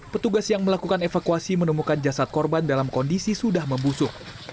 petugas yang melakukan evakuasi menemukan jasad korban dalam kondisi sudah membusuk